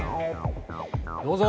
どうぞ。